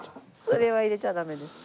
それは入れちゃダメです。